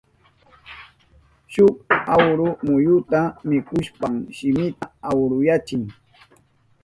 Shuk akru muyuta mikushpan shiminta akruyachin.